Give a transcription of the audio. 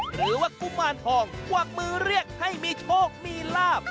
หรือว่ากุมารทองกวักมือเรียกให้มีโชคมีลาบ